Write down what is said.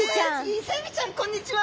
イセエビちゃんこんにちは！